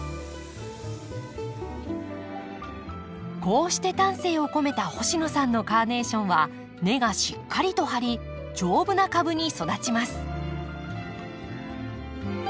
こうして丹精を込めた星野さんのカーネーションは根がしっかりと張り丈夫な株に育ちます。